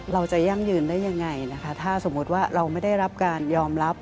ยั่งยืนได้ยังไงนะคะถ้าสมมุติว่าเราไม่ได้รับการยอมรับ